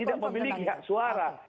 tidak memiliki hak suara